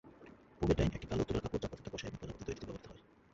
Duvetyn - একটি কালো, তুলার কাপড় যা পতাকা, কসাই এবং প্রজাপতি তৈরিতে ব্যবহৃত হয়।